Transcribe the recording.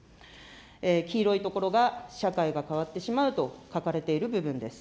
黄色い所が、社会が変わってしまうと書かれている部分です。